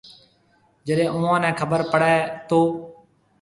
جڏيَ اُوئون نَي خبر پڙِي تو۔